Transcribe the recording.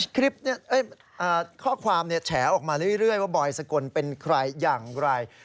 คลิปข้อความแฉออกมาเรื่อยว่าบอยสกลเป็นใครอย่างไร